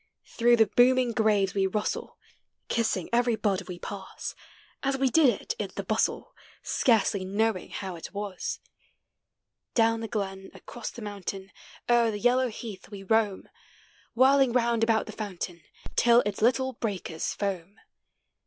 Through the blooming graves we rustle. Kissing cvvvy bud we pass. 100 POEMS OF N AFORE. As we did it in the bustle, Scarcely knowing how it was. Down the glen, across the mountain, O'er the yellow heath we roam, Whirling round about the fountain, Till its little breakers foam.